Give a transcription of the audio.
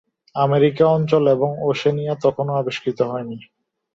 America অঞ্চল এবং Oceania তখনও আবিষ্কৃত হয়নি।